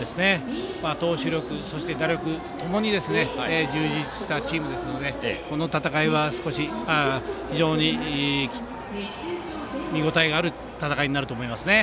投手力、そして打力ともに充実したチームですのでこの戦いは非常に見応えがある戦いになると思いますね。